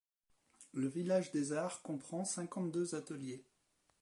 Le village des arts comprend cinquante-deux ateliers.